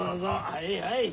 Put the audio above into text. はいはい。